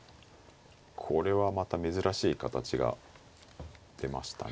これはまた珍しい形が出ましたね。